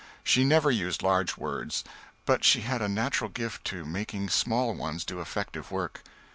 She never used large words, but she had a natural gift for making small ones do effective work.